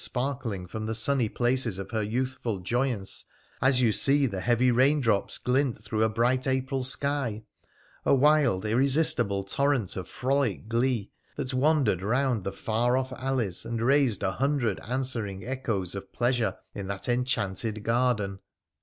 sparkling from the sunny places of her youthful joyance, as you see the heavy raindrops glint through a bright April sky ; a wild, irresistible torrent of frolic glee that wandered round the far off alleys, PHRA THE PHCENICIAiV 291 and raised a hundred answering echoes of pleasure in that enchanted garden.